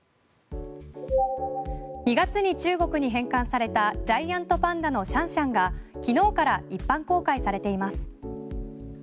２月に中国に返還されたジャイアントパンダのシャンシャンが昨日から一般公開されています。